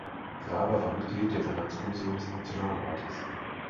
Graber war Mitglied der Finanzkommission des Nationalrates.